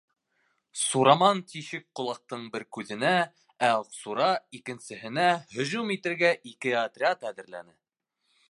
Сураман тишек ҡолаҡтың бер күҙенә, ә Аҡсура икенсеһенә һөжүм итергә ике отряд әҙерләне.